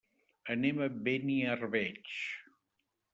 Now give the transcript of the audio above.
Anem a Beniarbeig.